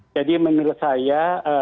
jadi menurut saya